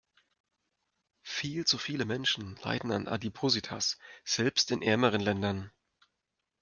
Viel zu viele Menschen leiden an Adipositas, selbst in ärmeren Ländern.